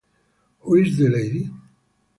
Who is the lady?